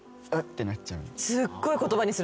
てなっちゃう。